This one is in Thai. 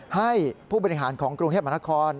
ให้ผู้บริหารของกรุงเทพมหานคร